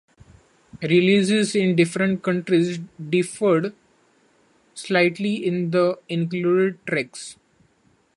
Releases in different countries differed slightly in the included tracks.